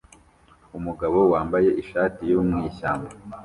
Umugabo wambaye ishati yo mwishyamba